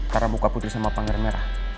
karena buka putri sama panger merah